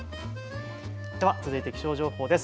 続いて気象情報です。